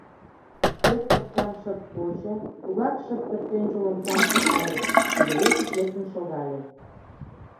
Пӧрт омсам шып почо, тугак шып пӧртӧнчыл омсам шӱкале, кудывечыш лектын шогале.